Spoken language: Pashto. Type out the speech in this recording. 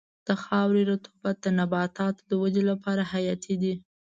د خاورې رطوبت د نباتاتو د ودې لپاره حیاتي دی.